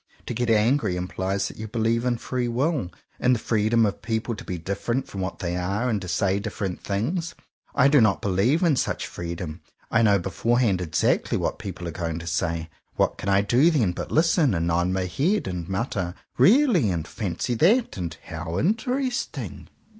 To get angry implies that you believe in free will, — in the freedom of people to be different from what they are, and to say 160 JOHN COWPER POWYS different things. I do not believe in such freedom. I know beforehand exactly what people are going to say. What can I do then but listen, and nod my head, and mutter ''Really!" and ''Fancy that!" and "How interesting!"